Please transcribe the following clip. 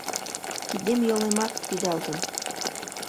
Кидем-йолемат пидалтын